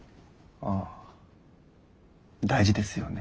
ああ大事ですよね。